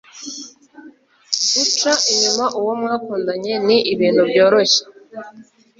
Guca inyuma uwo mwakundanye ni ibintu byoroshye